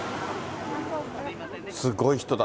すごい人だ。